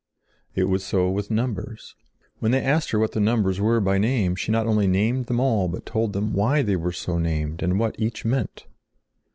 It was so with numbers. When they asked her what the numbers were by name, she not only named them all but told them why they were so named and what each meant.